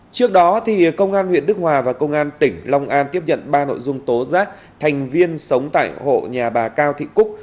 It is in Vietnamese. trước đó công an huyện đức hòa và công an tỉnh long an tiếp nhận ba nội dung tố giác thành viên sống tại hộ nhà bà cao thị cúc